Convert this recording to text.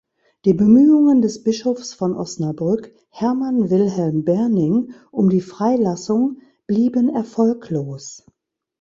Die Bemühungen des Bischofs von Osnabrück, Hermann Wilhelm Berning, um die Freilassung blieben erfolglos.